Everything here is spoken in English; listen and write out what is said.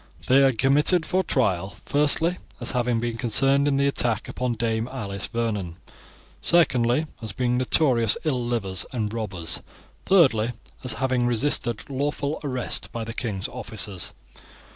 They are committed for trial: firstly, as having been concerned in the attack upon Dame Alice Vernon; secondly, as being notorious ill livers and robbers; thirdly, as having resisted lawful arrest by the king's officers.